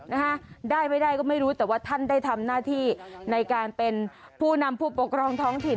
นะฮะได้ไม่ได้ก็ไม่รู้แต่ว่าท่านได้ทำหน้าที่ในการเป็นผู้นำผู้ปกครองท้องถิ่น